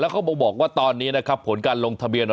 เขาบอกว่าตอนนี้นะครับผลการลงทะเบียน